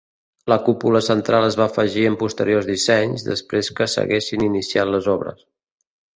La cúpula central es va afegir en posteriors dissenys, després que s'haguessin iniciat les obres.